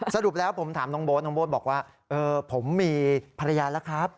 สรุปแล้วผมถามน้องโบ๊ทน้องโบ๊ทบอกว่าผมมีภรรยาแล้วครับ